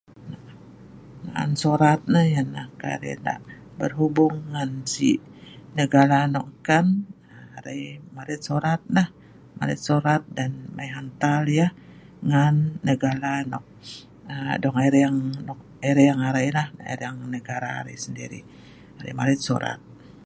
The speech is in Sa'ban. Ngan surat nai kai arai lah berhubung ngan si negala nok engkan, arai maret surat nah, maret surat dan mai hantar yah ngan negala nok aa dong ireng nok ireng arai nah, ireng negala arai sendiri, arai maret sorat.